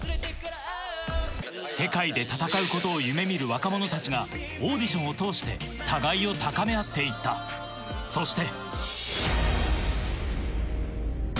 世界で戦うことを夢見る若者たちがオーディションを通して互いを高め合って行ったそして